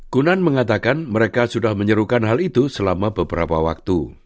kunan mengatakan mereka sudah menyerukan hal itu selama beberapa waktu